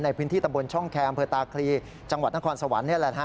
ในพื้นที่ตำบลช่องแครมเผอร์ตาคลีจังหวัดนครสวรรค์